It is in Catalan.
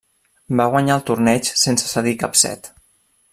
Va Guanyar el torneig sense cedir cap set.